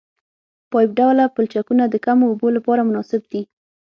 پایپ ډوله پلچکونه د کمو اوبو لپاره مناسب دي